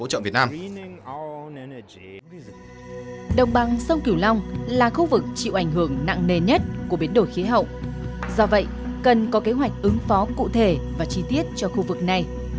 thủ long là khu vực chịu ảnh hưởng nặng nề nhất của biến đổi khí hậu do vậy cần có kế hoạch ứng phó cụ thể và chi tiết cho khu vực này